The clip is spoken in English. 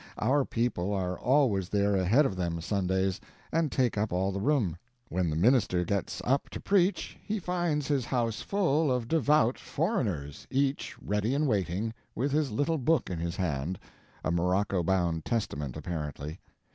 Our people are always there ahead of them Sundays, and take up all the room. When the minister gets up to preach, he finds his house full of devout foreigners, each ready and waiting, with his little book in his hand a morocco bound Testament, apparently.